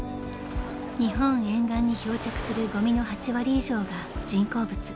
［日本沿岸に漂着するごみの８割以上が人工物］